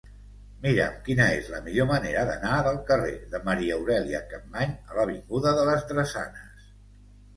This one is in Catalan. Mira'm quina és la millor manera d'anar del carrer de Maria Aurèlia Capmany a l'avinguda de les Drassanes.